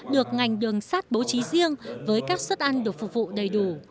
được ngành đường sắt bố trí riêng với các suất ăn được phục vụ đầy đủ